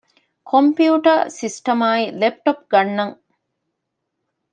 ކޮމްޕިއުޓަރ ސިސްޓަމާއި ލެޕްޓޮޕް ގަންނަން